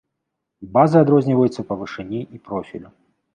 Базы адрозніваюцца па вышыні і профілю.